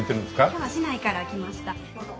今日は市内から来ました。